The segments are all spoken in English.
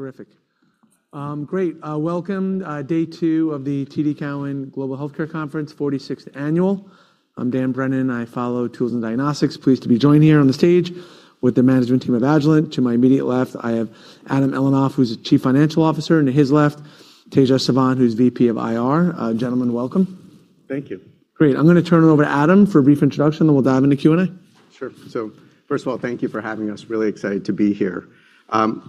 Terrific. Great. Welcome, day two of the TD Cowen Global Healthcare Conference, 46th annual. I'm Dan Brennan. I follow tools and diagnostics. Pleased to be joined here on the stage with the management team of Agilent. To my immediate left, I have Adam Elinoff, who's the Chief Financial Officer, and to his left, Tejas Savant, who's VP of IR. Gentlemen, welcome. Thank you. Great. I'm gonna turn it over to Adam for a brief introduction. We'll dive into Q&A. Sure. First of all, thank you for having us. Really excited to be here.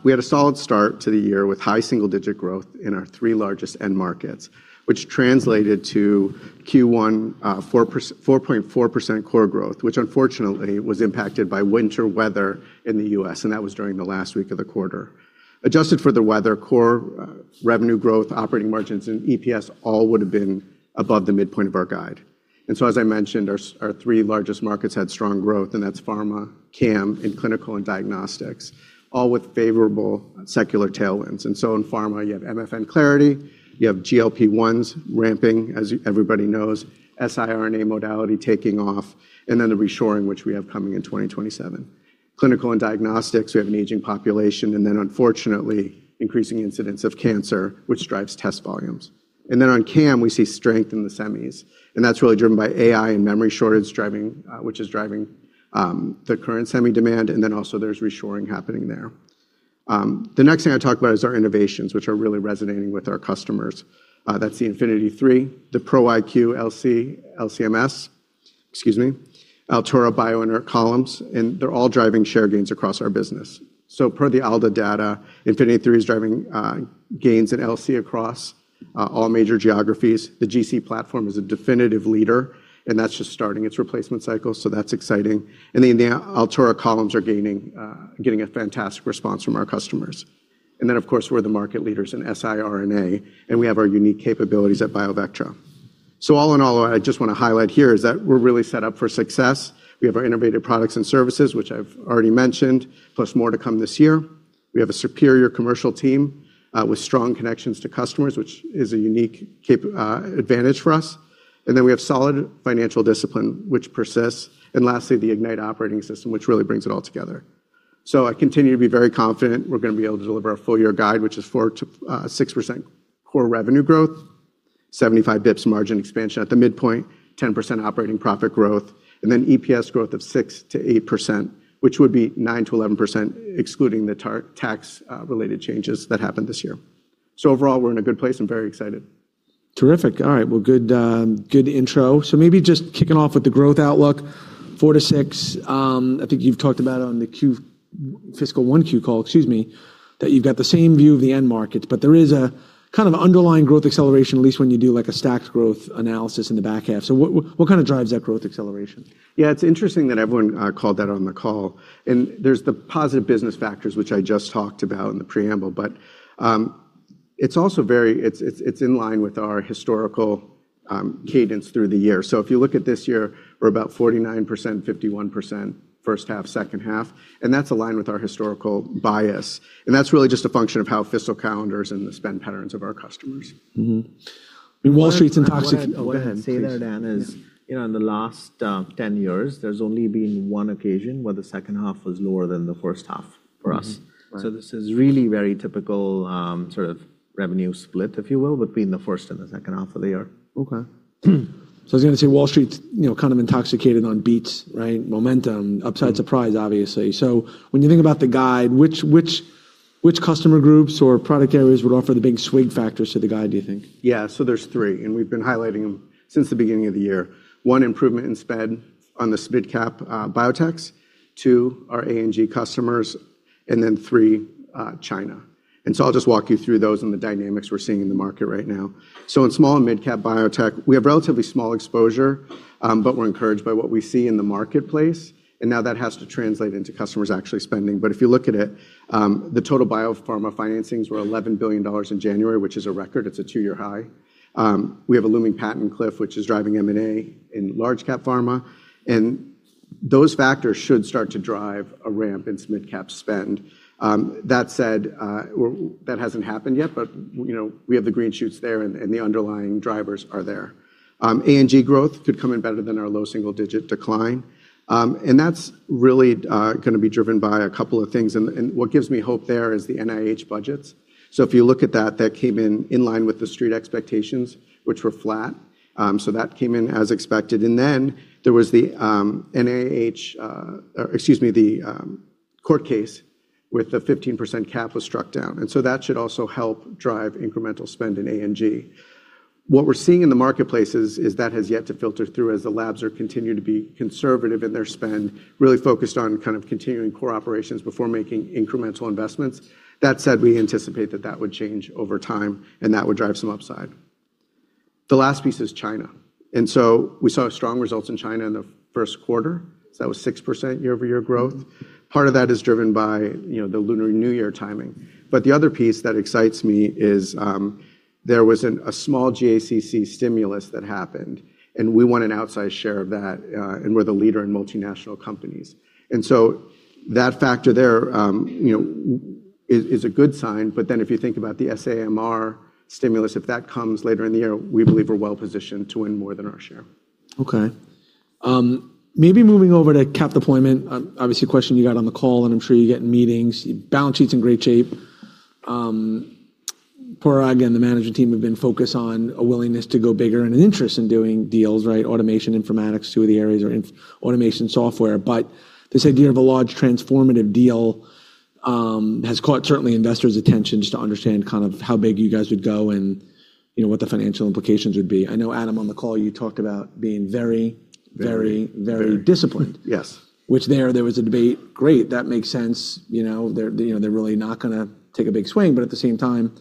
We had a solid start to the year with high single-digit growth in our three largest end markets, which translated to Q1, 4.4% core growth, which unfortunately was impacted by winter weather in the U.S., and that was during the last week of the quarter. Adjusted for the weather, core revenue growth, operating margins, and EPS all would've been above the midpoint of our guide. As I mentioned, our three largest markets had strong growth, and that's pharma, CAM, and clinical and diagnostics, all with favorable secular tailwinds. In pharma, you have MFN clarity, you have GLP-1s ramping, as everybody knows, siRNA modality taking off, and then the reshoring, which we have coming in 2027. Clinical and diagnostics, we have an aging population and then unfortunately increasing incidence of cancer, which drives test volumes. On CAM, we see strength in the semis, and that's really driven by AI and memory shortage which is driving the current semi demand, and then also there's reshoring happening there. The next thing I talk about is our innovations, which are really resonating with our customers. That's the Infinity III, the Pro iQ LC-MS, excuse me, Altus Bio Inert columns, and they're all driving share gains across our business. Per all the data, Infinity III is driving gains in LC across all major geographies. The GC platform is a definitive leader, and that's just starting its replacement cycle, so that's exciting. The Altura columns are getting a fantastic response from our customers. Of course, we're the market leaders in siRNA, and we have our unique capabilities at BioVectra. I just wanna highlight here is that we're really set up for success. We have our innovative products and services, which I've already mentioned, plus more to come this year. We have a superior commercial team, with strong connections to customers, which is a unique advantage for us. We have solid financial discipline, which persists. The Ignite operating system, which really brings it all together. I continue to be very confident we're gonna be able to deliver our full year guide, which is 4%-6% core revenue growth, 75 basis points margin expansion at the midpoint, 10% operating profit growth, and then EPS growth of 6%-8%, which would be 9%-11% excluding the tax related changes that happened this year. Overall, we're in a good place. I'm very excited. Terrific. All right. Well, good intro. Maybe just kicking off with the growth outlook. 4%-6%, I think you've talked about on the fiscal 1 Q call, excuse me, that you've got the same view of the end markets, but there is a kind of underlying growth acceleration, at least when you do like a stacked growth analysis in the back half. What kinda drives that growth acceleration? Yeah. It's interesting that everyone called that on the call. There's the positive business factors which I just talked about in the preamble, but it's also very. It's in line with our historical cadence through the year. If you look at this year, we're about 49%, 51% first half, second half, and that's aligned with our historical bias. That's really just a function of how fiscal calendars and the spend patterns of our customers. Mm-hmm. Wall Street's. I wanna say that, Dan, is, you know, in the last, 10 years, there's only been one occasion where the second half was lower than the first half for us. Mm-hmm. Right. This is really very typical, sort of revenue split, if you will, between the first and the second half of the year. I was gonna say, Wall Street's, you know, kind of intoxicated on beats, right? Momentum, upside surprise, obviously. When you think about the guide, which customer groups or product areas would offer the big swing factors to the guide, do you think? Yeah. There's 3, and we've been highlighting them since the beginning of the year. 1, improvement in spend on the midcap biotech. 2, our Academia & Government customers. 3, China. I'll just walk you through those and the dynamics we're seeing in the market right now. In small and midcap biotech, we have relatively small exposure, but we're encouraged by what we see in the marketplace, and now that has to translate into customers actually spending. If you look at it, the total biopharma financings were $11 billion in January, which is a record. It's a 2-year high. We have a looming patent cliff, which is driving M&A in large cap pharma, and those factors should start to drive a ramp in midcap spend. That said, that hasn't happened yet, but, you know, we have the green shoots there and the underlying drivers are there. A&G growth could come in better than our low single-digit decline, and that's really gonna be driven by a couple of things and what gives me hope there is the NIH budgets. If you look at that came in in line with the Street expectations, which were flat. That came in as expected. There was the NIH, or excuse me, the court case with the 15% cap was struck down, that should also help drive incremental spend in A&G. What we're seeing in the marketplace is that has yet to filter through as the labs are continue to be conservative in their spend, really focused on kind of continuing core operations before making incremental investments. That said, we anticipate that that would change over time and that would drive some upside. The last piece is China. We saw strong results in China in the first quarter, so that was 6% year-over-year growth. Part of that is driven by, you know, the Lunar New Year timing. The other piece that excites me is there was a small GACC stimulus that happened, and we want an outsized share of that, and we're the leader in multinational companies. That factor there, you know, is a good sign, but then if you think about the SAMR stimulus, if that comes later in the year, we believe we're well-positioned to win more than our share. Okay. Maybe moving over to CapEx deployment. Obviously a question you got on the call, and I'm sure you get in meetings. Balance sheet's in great shape. Padraig and the management team have been focused on a willingness to go bigger and an interest in doing deals, right? Automation, informatics, two of the areas are in automation software. This idea of a large transformative deal has caught certainly investors' attention just to understand kind of how big you guys would go and, you know, what the financial implications would be. I know, Adam, on the call you talked about being very- Very ...very disciplined. Yes. There was a debate. Great, that makes sense. You know, they're really not gonna take a big swing, but at the same time,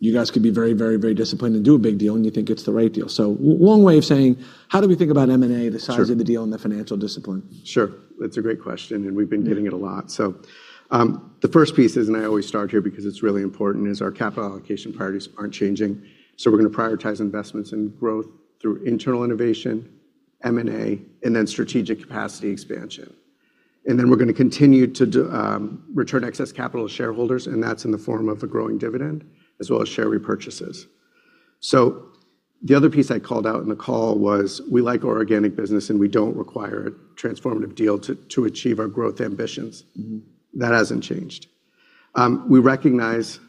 you guys could be very, very, very disciplined and do a big deal, and you think it's the right deal. Long way of saying, how do we think about M&A? Sure. the size of the deal and the financial discipline? Sure. It's a great question, and we've been getting it a lot. The first piece is, and I always start here because it's really important, is our capital allocation priorities aren't changing. We're gonna prioritize investments and growth through internal innovation, M&A, and then strategic capacity expansion. Then we're gonna continue to do return excess capital to shareholders, and that's in the form of a growing dividend as well as share repurchases. The other piece I called out in the call was we like our organic business, and we don't require a transformative deal to achieve our growth ambitions. Mm-hmm. That hasn't changed. We recognize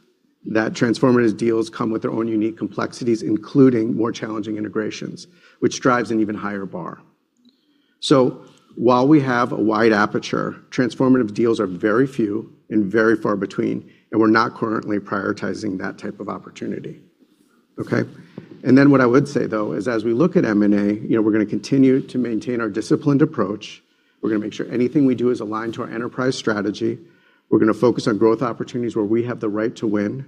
that transformative deals come with their own unique complexities, including more challenging integrations, which drives an even higher bar. While we have a wide aperture, transformative deals are very few and very far between, and we're not currently prioritizing that type of opportunity. Okay? What I would say though is as we look at M&A, you know, we're gonna continue to maintain our disciplined approach. We're gonna make sure anything we do is aligned to our enterprise strategy. We're gonna focus on growth opportunities where we have the right to win,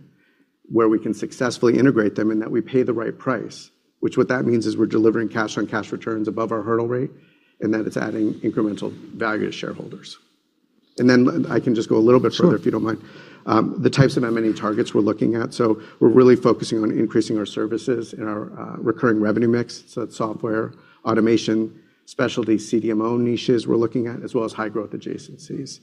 where we can successfully integrate them, and that we pay the right price. Which what that means is we're delivering cash on cash returns above our hurdle rate, and that it's adding incremental value to shareholders. I can just go a little bit further. Sure. If you don't mind. The types of M&A targets we're looking at. We're really focusing on increasing our services and our recurring revenue mix. That's software, automation, specialty CDMO niches we're looking at, as well as high growth adjacencies.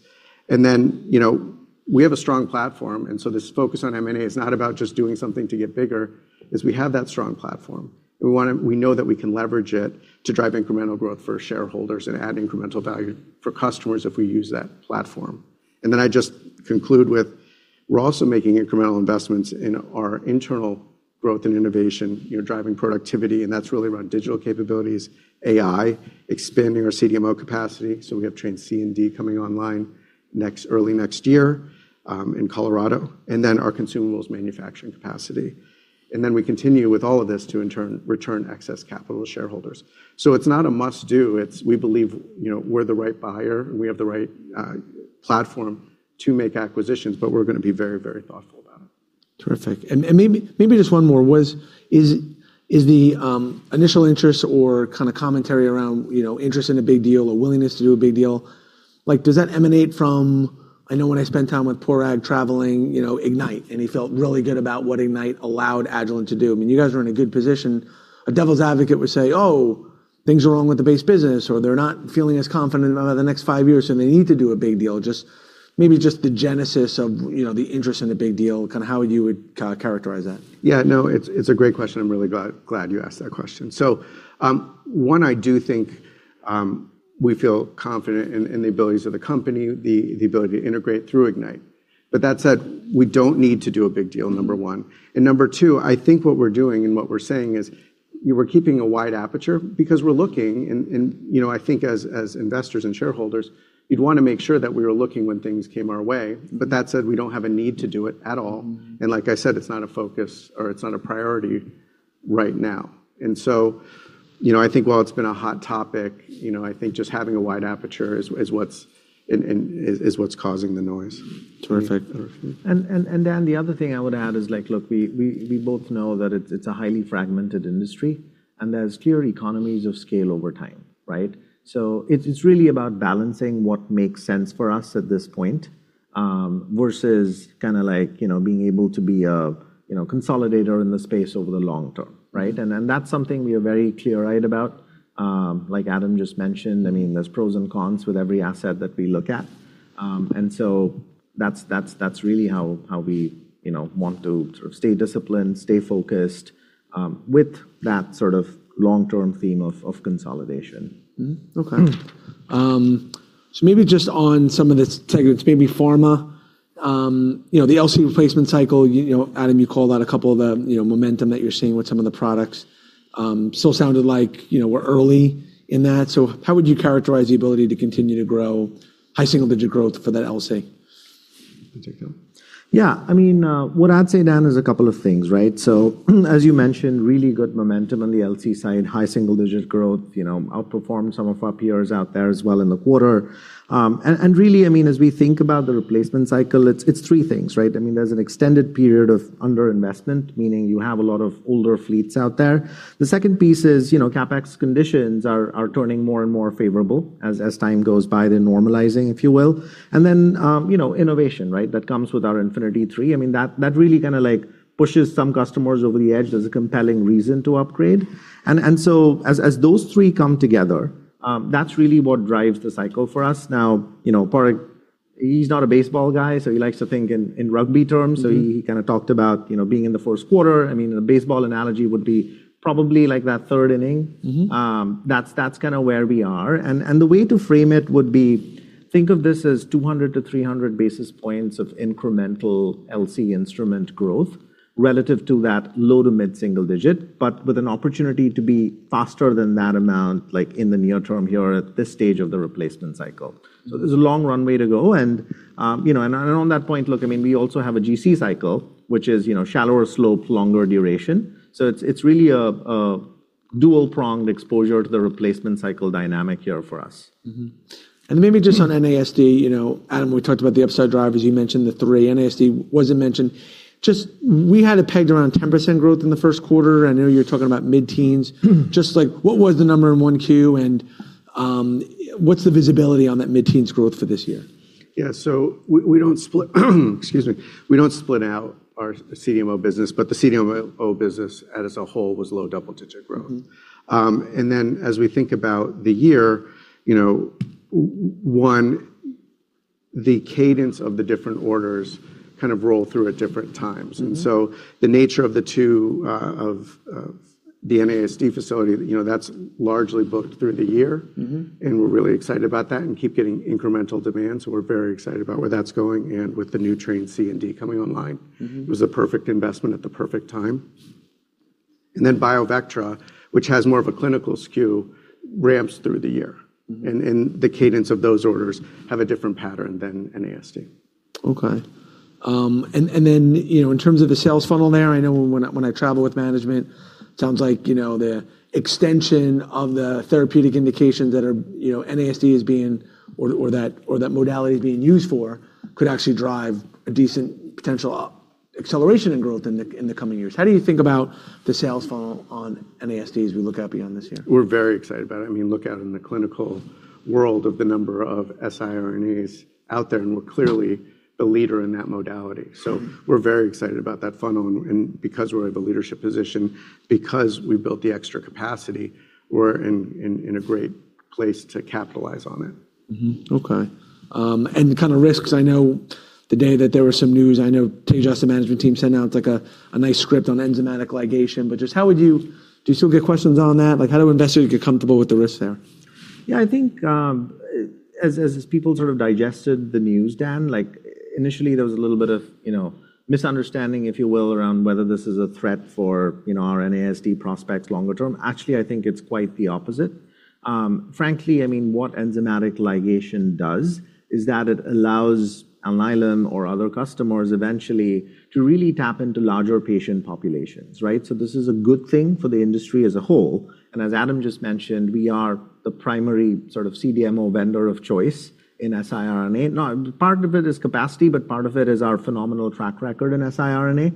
You know, we have a strong platform, and so this focus on M&A is not about just doing something to get bigger, is we have that strong platform. We know that we can leverage it to drive incremental growth for shareholders and add incremental value for customers if we use that platform. I just conclude with, we're also making incremental investments in our internal growth and innovation, you know, driving productivity, and that's really around digital capabilities, AI, expanding our CDMO capacity. We have trains C and D coming online next, early next year in Colorado. Our consumables manufacturing capacity. We continue with all of this to in turn return excess capital to shareholders. It's not a must-do, it's we believe, you know, we're the right buyer, and we have the right platform to make acquisitions, but we're gonna be very, very thoughtful about it. Terrific. Maybe just one more. Is the initial interest or kinda commentary around, you know, interest in a big deal or willingness to do a big deal, like does that emanate from... I know when I spent time with Padraig traveling, you know, Ignite, and he felt really good about what Ignite allowed Agilent to do. I mean, you guys are in a good position. A devil's advocate would say, "Oh, things are wrong with the base business," or, "They're not feeling as confident about the next 5 years, so they need to do a big deal." Just maybe the genesis of, you know, the interest in the big deal, kinda how you would characterize that. Yeah, no, it's a great question. I'm really glad you asked that question. One, I do think we feel confident in the abilities of the company, the ability to integrate through Ignite. That said, we don't need to do a big deal, number one. Number two, I think what we're doing and what we're saying is we're keeping a wide aperture because we're looking and you know, I think as investors and shareholders, we'd wanna make sure that we were looking when things came our way. That said, we don't have a need to do it at all. Mm-hmm. Like I said, it's not a focus or it's not a priority right now. You know, I think while it's been a hot topic, you know, I think just having a wide aperture is what's causing the noise. Terrific. Terrific. Dan, the other thing I would add is like, look, we both know that it's a highly fragmented industry, and there's clear economies of scale over time, right? It's really about balancing what makes sense for us at this point, versus kinda like, you know, being able to be a, you know, consolidator in the space over the long term, right? That's something we are very clear-eyed about. Like Adam just mentioned, I mean, there's pros and cons with every asset that we look at. That's really how we, you know, want to sort of stay disciplined, stay focused, with that sort of long-term theme of consolidation. Okay. Mm-hmm. Maybe just on some of the segments, maybe pharma. You know, the LC replacement cycle, you know, Adam, you called out a couple of the, you know, momentum that you're seeing with some of the products. Still sounded like, you know, we're early in that. How would you characterize the ability to continue to grow high single digit growth for that LC? You take that one. Yeah. I mean, what I'd say, Dan, is a couple of things, right? As you mentioned, really good momentum on the LC side, high single digit growth, you know, outperformed some of our peers out there as well in the quarter. Really, I mean, as we think about the replacement cycle, it's three things, right? I mean, there's an extended period of underinvestment, meaning you have a lot of older fleets out there. The second piece is, you know, CapEx conditions are turning more and more favorable as time goes by. They're normalizing, if you will. Then, you know, innovation, right? That comes with our Infinity III. I mean, that really kinda like pushes some customers over the edge. There's a compelling reason to upgrade. As those three come together, that's really what drives the cycle for us. You know, Padraig he's not a baseball guy, so he likes to think in rugby terms. Mm-hmm. he kinda talked about, you know, being in the first quarter. I mean, a baseball analogy would be probably like that third inning. Mm-hmm. That's kinda where we are. The way to frame it would be think of this as 200 to 300 basis points of incremental LC instrument growth relative to that low to mid-single digit, but with an opportunity to be faster than that amount, like in the near term here at this stage of the replacement cycle. Mm-hmm. There's a long runway to go and, you know, on that point, look, I mean, we also have a GC cycle, which is, you know, shallower slope, longer duration. It's really a dual-pronged exposure to the replacement cycle dynamic here for us. Mm-hmm. Maybe just on NASD, you know, Adam, we talked about the upside drivers. You mentioned the 3. NASD wasn't mentioned. Just we had it pegged around 10% growth in the first quarter. I know you're talking about mid-teens. Just like what was the number in 1Q, and what's the visibility on that mid-teens growth for this year? Yeah. We don't split, excuse me, we don't split out our CDMO business, but the CDMO business as a whole was low double-digit growth. Mm-hmm. As we think about the year, you know, one, the cadence of the different orders kind of roll through at different times. Mm-hmm. The nature of the two, of the NASD facility, you know, that's largely booked through the year. Mm-hmm. We're really excited about that and keep getting incremental demand, so we're very excited about where that's going and with the new train C and D coming online. Mm-hmm. It was the perfect investment at the perfect time. BioVectra, which has more of a clinical skew, ramps through the year. Mm-hmm. The cadence of those orders have a different pattern than NASD. You know, in terms of the sales funnel there, I know when I travel with management, it sounds like, you know, the extension of the therapeutic indications that are, you know, NASD is being or that, or that modality is being used for could actually drive a decent potential acceleration in growth in the coming years. How do you think about the sales funnel on NASD as we look out beyond this year? We're very excited about it. I mean, look out in the clinical world of the number of siRNAs out there, and we're clearly the leader in that modality. We're very excited about that funnel and because we're at the leadership position, because we built the extra capacity, we're in a great place to capitalize on it. Okay. The kinda risks, I know the day that there was some news, I know Tejas asked the management team, sent out like a nice script on enzymatic ligation. Do you still get questions on that? Like how do investors get comfortable with the risks there? Yeah, I think, as people sort of digested the news, Dan, like initially there was a little bit of, you know, misunderstanding, if you will, around whether this is a threat for, you know, our NASD prospects longer term. Actually, I think it's quite the opposite. Frankly, I mean, what enzymatic ligation does is that it allows Alnylam or other customers eventually to really tap into larger patient populations, right? This is a good thing for the industry as a whole, and as Adam just mentioned, we are the primary sort of CDMO vendor of choice in siRNA. Now, part of it is capacity, but part of it is our phenomenal track record in siRNA,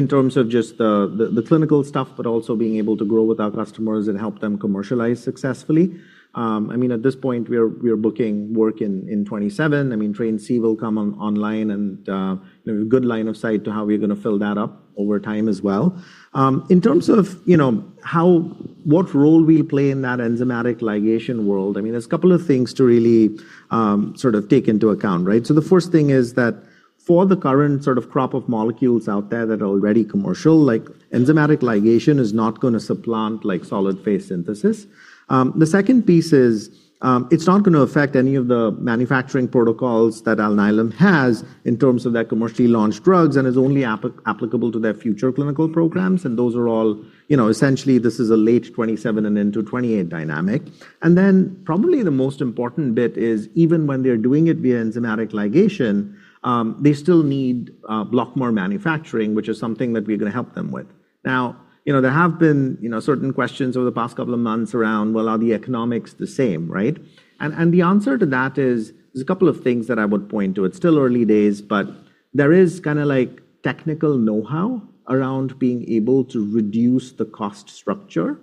in terms of just the clinical stuff, but also being able to grow with our customers and help them commercialize successfully. I mean, at this point, we are booking work in 2027. I mean, train C will come on-online and, you know, good line of sight to how we're gonna fill that up over time as well. In terms of, you know, what role we play in that enzymatic ligation world, I mean, there's a couple of things to really sort of take into account, right? The first thing is that for the current sort of crop of molecules out there that are already commercial, like enzymatic ligation is not gonna supplant like solid-phase synthesis. The second piece is, it's not gonna affect any of the manufacturing protocols that Alnylam has in terms of their commercially launched drugs and is only applicable to their future clinical programs. Those are all, you know, essentially this is a late 2027 and into 2028 dynamic. Probably the most important bit is even when they're doing it via enzymatic ligation, they still need BioVectra manufacturing, which is something that we're going to help them with. There have been certain questions over the past couple of months around, are the economics the same, right? The answer to that is, there's a couple of things that I would point to. It's still early days, but there is kinda like technical know-how around being able to reduce the cost structure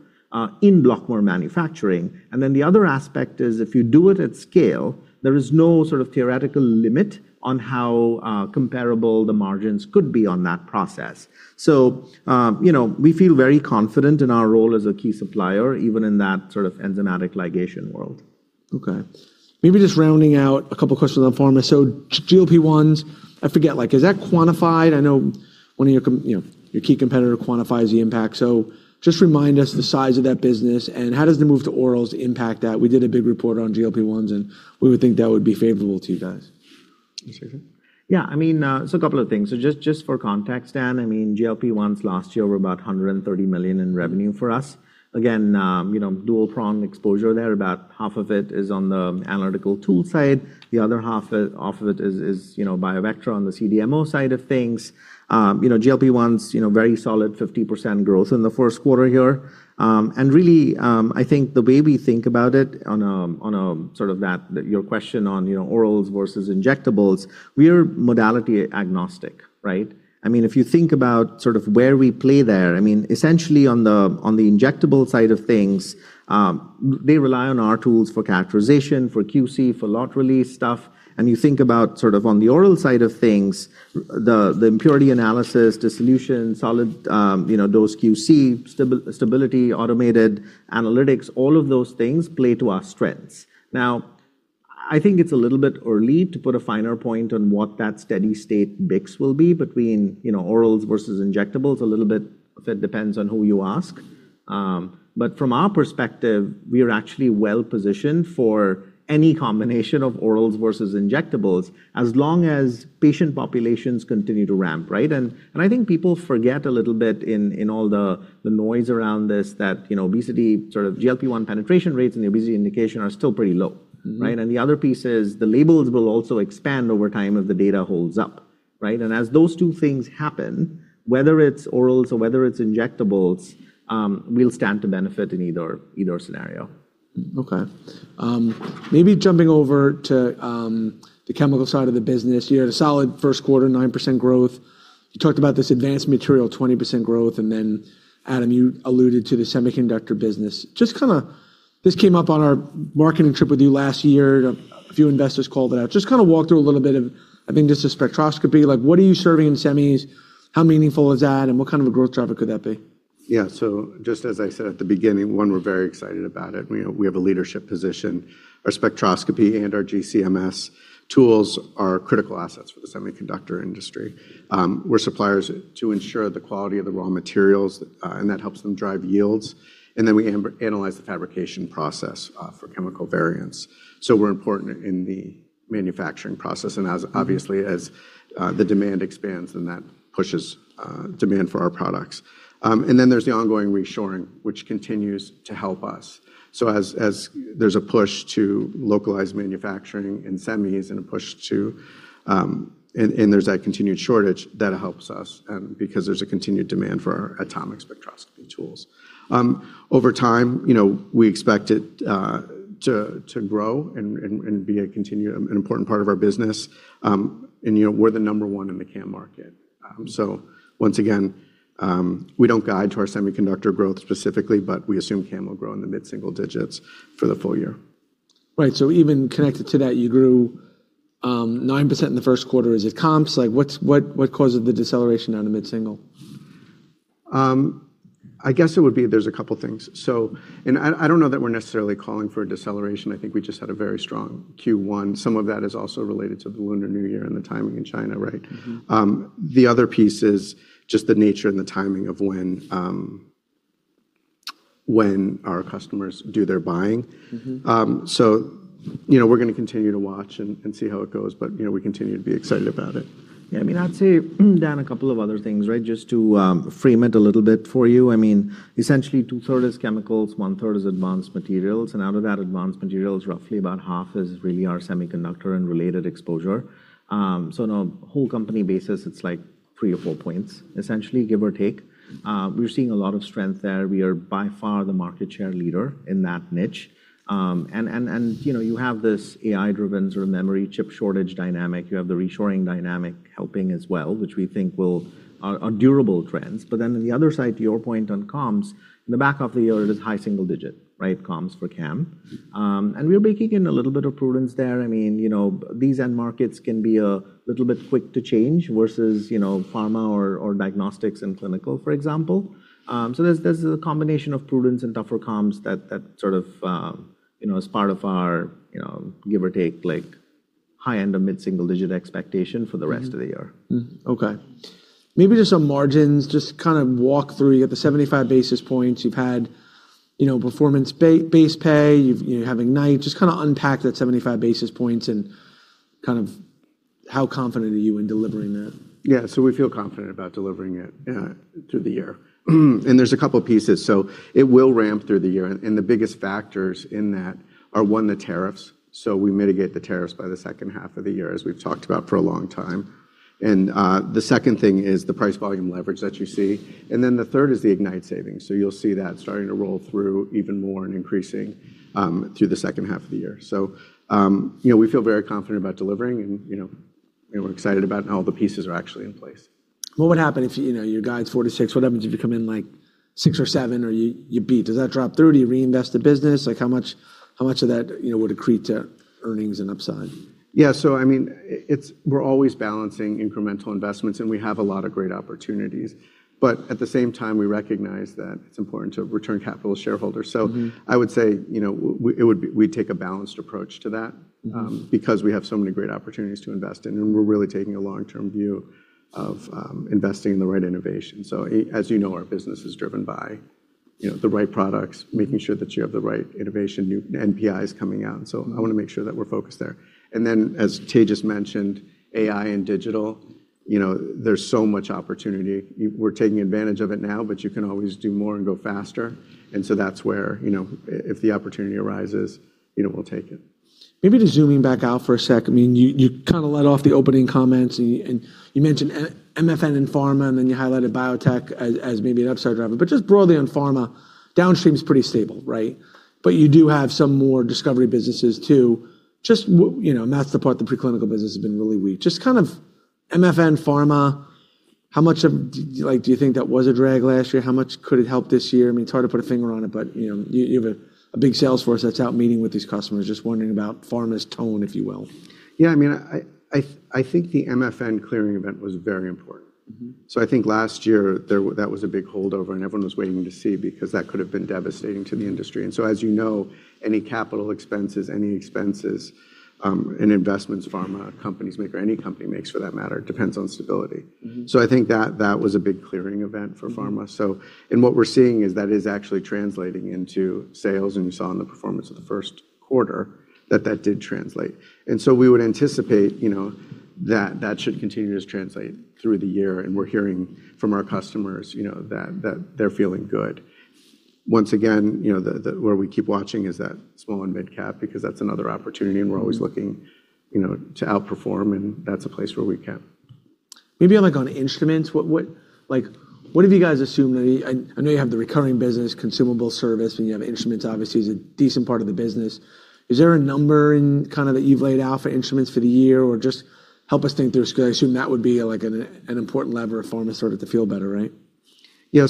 in BioVectra manufacturing. The other aspect is if you do it at scale, there is no sort of theoretical limit on how comparable the margins could be on that process. You know, we feel very confident in our role as a key supplier, even in that sort of enzymatic ligation world. Okay. Maybe just rounding out a couple questions on pharma. GLP-1s, I forget, like is that quantified? I know one of your you know, your key competitor quantifies the impact. Just remind us the size of that business and how does the move to orals impact that? We did a big report on GLP-1s, we would think that would be favorable to you guys. I mean, so a couple of things. So just for context, Dan, I mean, GLP-1s last year were about $130 million in revenue for us. Again, you know, dual-pronged exposure there. About half of it is on the analytical tool side. The other half of it is, you know, BioVectra on the CDMO side of things. You know, GLP-1s, you know, very solid 50% growth in the first quarter here. Really, I think the way we think about it on a sort of that, your question on, you know, orals versus injectables, we're modality agnostic, right? I mean, if you think about sort of where we play there, I mean, essentially on the injectable side of things, they rely on our tools for characterization, for QC, for lot release stuff. You think about sort of on the oral side of things, the impurity analysis, dissolution, solid, you know, dose QC, stability, automated analytics, all of those things play to our strengths. I think it's a little bit early to put a finer point on what that steady-state mix will be between, you know, orals versus injectables. A little bit of it depends on who you ask. From our perspective, we are actually well-positioned for any combination of orals versus injectables as long as patient populations continue to ramp, right? I think people forget a little bit in all the noise around this that, you know, obesity sort of GLP-1 penetration rates and obesity indication are still pretty low, right? Mm-hmm. The other piece is the labels will also expand over time if the data holds up, right? As those two things happen, whether it's orals or whether it's injectables, we'll stand to benefit in either scenario. Maybe jumping over to the chemical side of the business. You had a solid first quarter, 9% growth. You talked about this advanced material, 20% growth, Adam, you alluded to the semiconductor business. This came up on our marketing trip with you last year. A few investors called it out. Just kinda walk through a little bit of, I think, just the spectroscopy. Like, what are you serving in semis? How meaningful is that, what kind of a growth driver could that be? Yeah. Just as I said at the beginning, one, we're very excited about it, and we have a leadership position. Our spectroscopy and our GC-MS tools are critical assets for the semiconductor industry. We're suppliers to ensure the quality of the raw materials, and that helps them drive yields, and then we analyze the fabrication process for chemical variants. We're important in the manufacturing process and obviously, as the demand expands, then that pushes demand for our products. There's the ongoing reshoring, which continues to help us. As there's a push to localize manufacturing in semis, there's that continued shortage, that helps us because there's a continued demand for our atomic spectroscopy tools. Over time, you know, we expect it to grow and be a continue, an important part of our business. You know, we're the number 1 in the CAM market. Once again, we don't guide to our semiconductor growth specifically, but we assume CAM will grow in the mid-single digits for the full year. Right. Even connected to that, you grew 9% in the first quarter. Is it comps? Like, what's what causes the deceleration down to mid-single? I guess it would be there's a couple things. I don't know that we're necessarily calling for a deceleration. I think we just had a very strong Q1. Some of that is also related to the Lunar New Year and the timing in China, right? Mm-hmm. The other piece is just the nature and the timing of when our customers do their buying. Mm-hmm. You know, we're gonna continue to watch and see how it goes, but, you know, we continue to be excited about it. I mean, I'd say, Dan, a couple of other things, right? Just to frame it a little bit for you. I mean, essentially 2/3 is chemicals, 1/3 is advanced materials, and out of that advanced materials, roughly about 1/2 is really our semiconductor and related exposure. On a whole company basis, it's like 3 or 4 points, essentially, give or take. We're seeing a lot of strength there. We are by far the market share leader in that niche. You know, you have this AI-driven sort of memory chip shortage dynamic. You have the reshoring dynamic helping as well, which we think are durable trends. On the other side, to your point on comps, in the back half of the year, it is high single-digit, right? Comps for CAM. We are baking in a little bit of prudence there. I mean, you know, these end markets can be a little bit quick to change versus, you know, pharma or diagnostics and clinical, for example. There's, there's a combination of prudence and tougher comps that sort of, you know, as part of our, you know, give or take, like, high-end to mid-single-digit expectation for the rest of the year. Mm-hmm. Okay. Maybe just on margins, just kind of walk through. You got the 75 basis points. You've had, you know, performance base pay. You're having Ignite. Just kinda unpack that 75 basis points and kind of how confident are you in delivering that? Yeah. We feel confident about delivering it, through the year. There's a couple pieces. It will ramp through the year, and the biggest factors in that are, one, the tariffs. We mitigate the tariffs by the second half of the year, as we've talked about for a long time. The second thing is the price-volume leverage that you see. Then the third is the Ignite savings. You'll see that starting to roll through even more and increasing, through the second half of the year. You know, we feel very confident about delivering and, you know, and we're excited about how all the pieces are actually in place. What would happen if, you know, your guide's 46, what happens if you come in like 6 or 7 or you beat? Does that drop through? Do you reinvest the business? Like, how much of that, you know, would accrete to earnings and upside? I mean, it's, we're always balancing incremental investments, and we have a lot of great opportunities. At the same time, we recognize that it's important to return capital to shareholders. Mm-hmm. I would say, you know, we take a balanced approach to that. Mm-hmm ...because we have so many great opportunities to invest in, we're really taking a long-term view of investing in the right innovation. As you know, our business is driven by, you know, the right products, making sure that you have the right innovation, new NPIs coming out. I wanna make sure that we're focused there. As Tej just mentioned, AI and digital, you know, there's so much opportunity. We're taking advantage of it now, but you can always do more and go faster. That's where, you know, if the opportunity arises, you know, we'll take it. Maybe just zooming back out for a sec. I mean, you kinda led off the opening comments and you mentioned MFN and pharma, and then you highlighted biotech as maybe an upside driver. Just broadly on pharma, downstream's pretty stable, right? You do have some more discovery businesses too. You know, and that's the part the preclinical business has been really weak. Just kind of MFN Pharma, how much do you, like, do you think that was a drag last year? How much could it help this year? I mean, it's hard to put a finger on it, but, you know, you have a big sales force that's out meeting with these customers. Just wondering about Pharma's tone, if you will. Yeah, I mean, I think the MFN clearing event was very important. Mm-hmm. I think last year that was a big holdover, and everyone was waiting to see because that could have been devastating to the industry. As you know, any capital expenses, any expenses, and investments pharma companies make, or any company makes for that matter, depends on stability. Mm-hmm. I think that was a big clearing event for pharma. Mm-hmm. What we're seeing is that is actually translating into sales, and you saw in the performance of the first quarter that that did translate. We would anticipate, you know, that that should continue to translate through the year, and we're hearing from our customers, you know, that they're feeling good. Once again, you know, the where we keep watching is that small and mid-cap because that's another opportunity, and we're always looking, you know, to outperform, and that's a place where we can. Maybe on, like, on instruments, what, like, what have you guys assumed? I know you have the recurring business, consumable service, and you have instruments obviously is a decent part of the business. Is there a number in kind of that you've laid out for instruments for the year or just help us think through 'cause I assume that would be, like, an important lever of Pharma started to feel better, right? Yeah.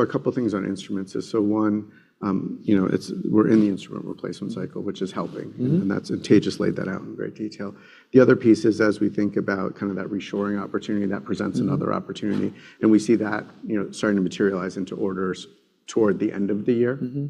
A couple things on instruments is so one, you know, it's we're in the instrument replacement cycle, which is helping. Mm-hmm. Tejas laid that out in great detail. The other piece is as we think about kind of that reshoring opportunity, that presents another opportunity, and we see that, you know, starting to materialize into orders toward the end of the year. Mm-hmm.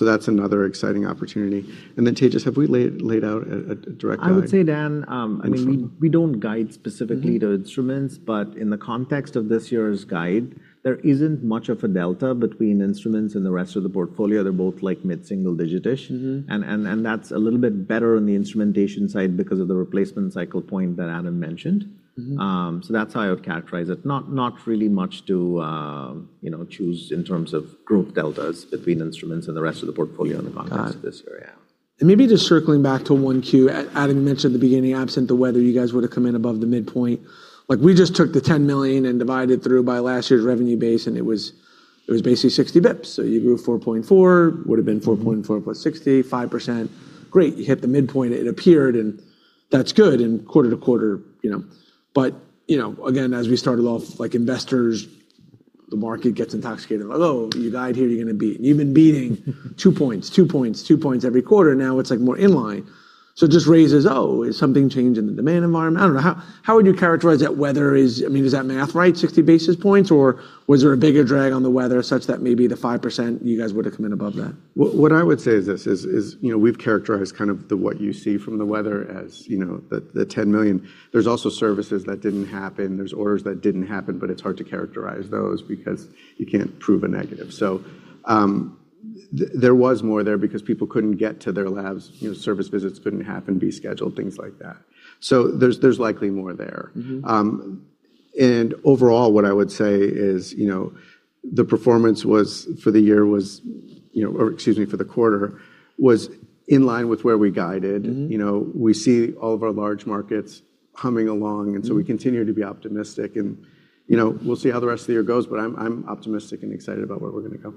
That's another exciting opportunity. Tejas, have we laid out a direct guide? I would say, Dan, I mean, we don't guide specifically to instruments, but in the context of this year's guide, there isn't much of a delta between instruments and the rest of the portfolio. They're both like mid-single digit-ish. Mm-hmm. That's a little bit better on the instrumentation side because of the replacement cycle point that Adam mentioned. Mm-hmm. That's how I would characterize it. Not really much to, you know, choose in terms of group deltas between instruments and the rest of the portfolio in the context of this area. Maybe just circling back to 1 Q. Adam, you mentioned at the beginning, absent the weather, you guys would have come in above the midpoint. Like, we just took the $10 million and divided through by last year's revenue base, and it was basically 60 basis points. You grew 4.4, would've been 4.4 plus 60, 5%. Great. You hit the midpoint, it appeared, and that's good. Quarter-over-quarter, you know. You know, again, as we started off, like investors, the market gets intoxicated. Like, "Oh, you died here, you're gonna beat." You've been beating 2 points, two points, two points every quarter. Now it's, like, more in line. It just raises, oh, is something changing in the demand environment? I don't know. How would you characterize that? Weather is... Is that math right, 60 basis points, or was there a bigger drag on the weather such that maybe the 5% you guys would have come in above that? What I would say is this, you know, we've characterized kind of the, what you see from the weather as, you know, the $10 million. There's also services that didn't happen. There's orders that didn't happen, but it's hard to characterize those because you can't prove a negative. There was more there because people couldn't get to their labs, you know, service visits couldn't happen, be scheduled, things like that. There's likely more there. Mm-hmm. overall, what I would say is, you know, the performance for the quarter was in line with where we guided. Mm-hmm. You know, we see all of our large markets humming along. Mm-hmm We continue to be optimistic. You know, we'll see how the rest of the year goes, but I'm optimistic and excited about where we're going to go.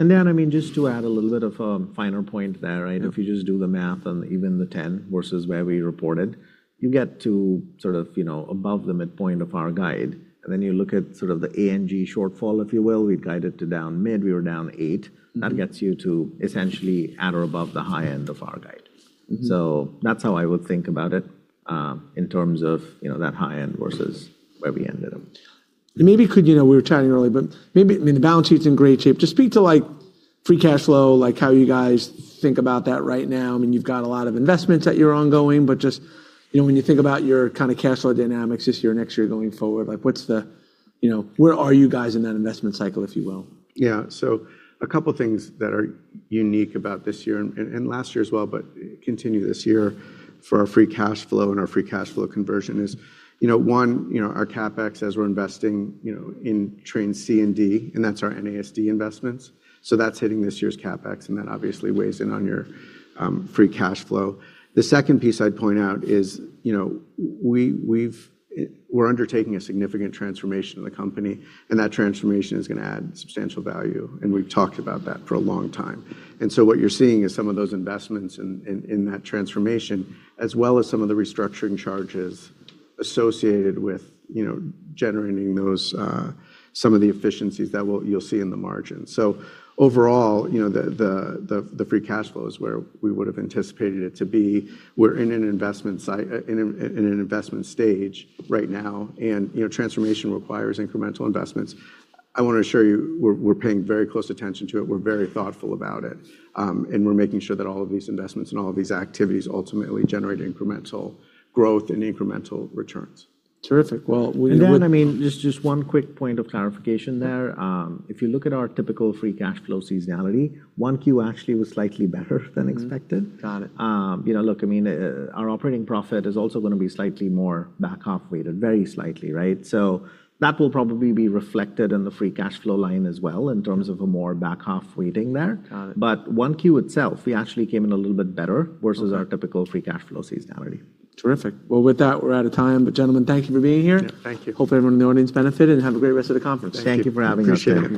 Okay. I mean, just to add a little bit of a finer point there, right? Yeah. If you just do the math on even the 10 versus where we reported, you get to sort of, you know, above the midpoint of our guide. Then you look at sort of the ANG shortfall, if you will. We'd guide it to down mid, we were down 8%. Mm-hmm. That gets you to essentially at or above the high end of our guide. Mm-hmm. That's how I would think about it, in terms of, you know, that high end versus where we ended them. Could, you know, we were chatting earlier, but I mean, the balance sheet's in great shape. Just speak to, like, free cash flow, like how you guys think about that right now. I mean, you've got a lot of investments that you're ongoing, but just, you know, when you think about your kind of cash flow dynamics this year, next year, going forward, like, what's the, you know, where are you guys in that investment cycle, if you will? A couple things that are unique about this year and last year as well, but continue this year for our free cash flow and our free cash flow conversion is, you know, one, you know, our CapEx as we're investing, you know, in trains C and D, and that's our NASD investments. That's hitting this year's CapEx, and that obviously weighs in on your free cash flow. The second piece I'd point out is, you know, we've, we're undertaking a significant transformation of the company. That transformation is gonna add substantial value, and we've talked about that for a long time. What you're seeing is some of those investments in that transformation, as well as some of the restructuring charges associated with, you know, generating those, some of the efficiencies that you'll see in the margin. Overall, you know, the free cash flow is where we would've anticipated it to be. We're in an investment stage right now, and, you know, transformation requires incremental investments. I wanna assure you we're paying very close attention to it. We're very thoughtful about it, and we're making sure that all of these investments and all of these activities ultimately generate incremental growth and incremental returns. Terrific. Well. I mean, just one quick point of clarification there. If you look at our typical free cash flow seasonality, 1Q actually was slightly better than expected. Mm-hmm. Got it. You know, look, I mean, our operating profit is also going to be slightly more back-half weighted, very slightly, right? That will probably be reflected in the free cash flow line as well in terms of a more back-half weighting there. Got it. 1Q itself, we actually came in a little bit better. Okay... versus our typical free cash flow seasonality. Terrific. Well, with that, we're out of time. Gentlemen, thank you for being here. Yeah. Thank you. Hopefully everyone in the audience benefited, and have a great rest of the conference. Thank you for having us. Appreciate it.